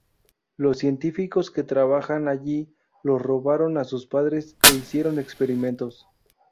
Los científicos que trabajan allí los robaron a sus padres e hicieron experimentos.